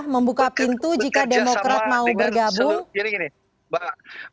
membuka pintu jika demokrat mau bergabung